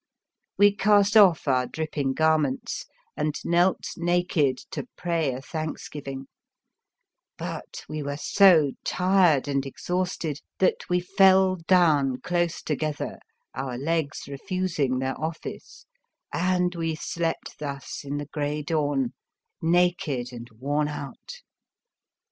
We cast off our dripping garments and knelt naked to pray a thanksgiv ing, but, we were so tired and ex hausted that we fell down close to gether, our legs refusing their office, and we slept thus in the grey dawn, naked and worn out.